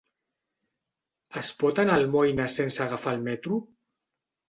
Es pot anar a Almoines sense agafar el metro?